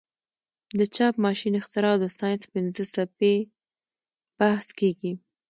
د چاپ ماشین اختراع او د ساینس پنځه څپې بحث کیږي.